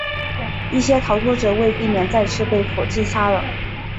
一些逃脱者为避免再次被俘自杀了。